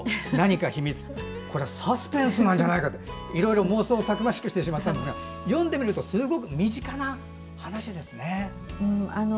何か秘密サスペンスなんじゃないかといろいろ妄想たくましくしてしまったんですが読んでみると身近な話ですね。